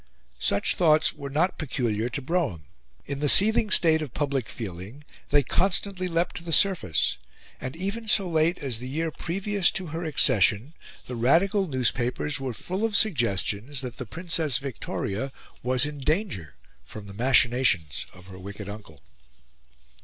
Such thoughts were not peculiar to Brougham; in the seething state of public feeling, they constantly leapt to the surface; and, even so late as the year previous to her accession, the Radical newspapers were full of suggestions that the Princess Victoria was in danger from the machinations of her wicked uncle.